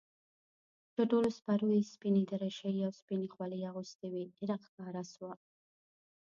چې ټولو سپرو يې سپينې دريشۍ او سپينې خولۍ اغوستې وې راښکاره سوه.